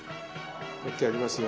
もう一回やりますよ。